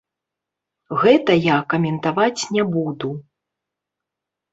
Гэта я каментаваць не буду.